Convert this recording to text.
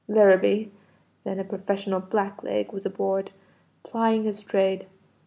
"Larrabee, then a professional black leg, was aboard, plying his trade.